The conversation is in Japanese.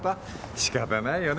仕方ないよね